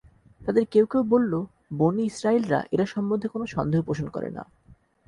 তাদের কেউ কেউ বলল, বনী ইসরাঈলরা এটা সম্বন্ধে কোন সন্দেহ পোষণ করে না।